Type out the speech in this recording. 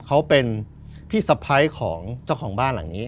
เขาเป็นพี่สะพ้ายของเจ้าของบ้านหลังนี้